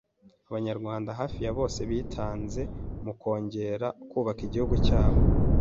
abanyarwanda hafi ya bose bitanze mu kongera kubaka igihugu cyabo